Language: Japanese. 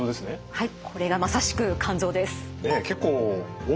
はい。